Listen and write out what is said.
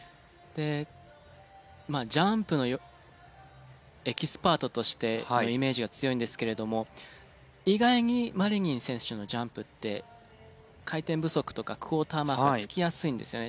ジャンプのエキスパートとしてのイメージが強いんですけれども意外にマリニン選手のジャンプって回転不足とかクオーターマークが付きやすいんですよね。